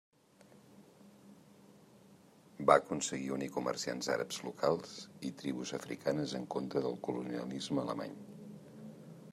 Va aconseguir unir comerciants àrabs locals i tribus africanes en contra del colonialisme alemany.